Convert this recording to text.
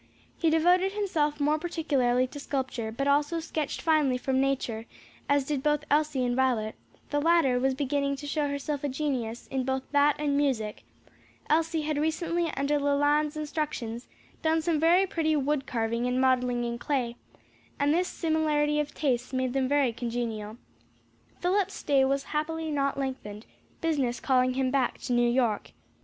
He devoted himself more particularly to sculpture, but also sketched finely from nature, as did both Elsie and Violet; the latter was beginning to show herself a genius in both that and music, Elsie had recently under Leland's instructions, done some very pretty wood carving and modeling in clay, and this similarity of tastes made them very congenial. Philip's stay was happily not lengthened, business calling him back to New York.